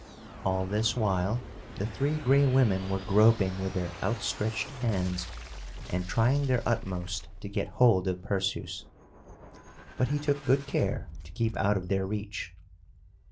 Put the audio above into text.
All this while the Three Gray Women were groping with their outstretched hands, and trying their utmost to get hold of Perseus. But he took good care to keep out of their reach.